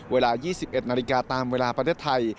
เวลา๒๑นาฬิกาตามเวลาประเทศไทย